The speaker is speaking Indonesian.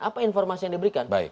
apa yang diberikan